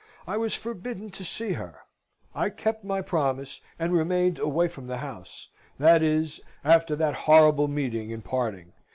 I was forbidden to see her. I kept my promise, and remained away from the house: that is, after that horrible meeting and parting.